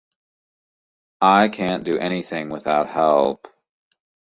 I can't do anything without help.